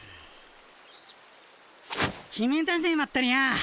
決めたぜまったり屋。